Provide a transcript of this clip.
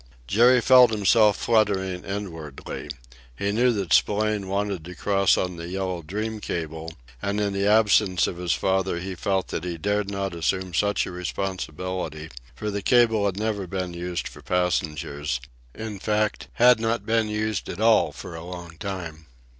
Jerry felt himself fluttering inwardly. He knew that Spillane wanted to cross on the Yellow Dream cable, and in the absence of his father he felt that he dared not assume such a responsibility, for the cable had never been used for passengers; in fact, had not been used at all for a long time.